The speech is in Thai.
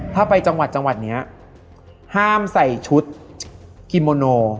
ถ้าไปจังหวัดเนี่ยห้ามใส่ชุดกิโมโน